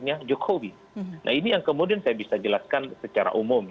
nah ini yang kemudian saya bisa jelaskan secara umum